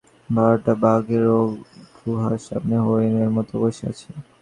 ভাঁড়টা বাঘের গুহার সামনে হরিনের মতো বসে আছে।